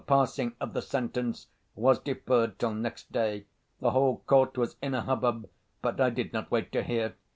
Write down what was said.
The passing of the sentence was deferred till next day. The whole court was in a hubbub but I did not wait to hear.